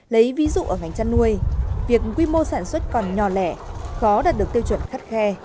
lấy ví dụ ở ngành chăn nuôi việc quy mô sản xuất còn nhỏ lẻ khó đạt được tiêu chuẩn khắt khe